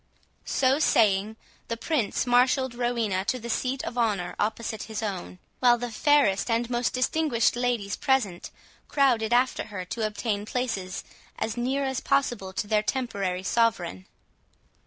So saying, the Prince marshalled Rowena to the seat of honour opposite his own, while the fairest and most distinguished ladies present crowded after her to obtain places as near as possible to their temporary sovereign.